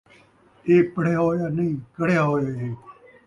اے پڑھیا ہویا نئیں، کڑھیا ہویا ہے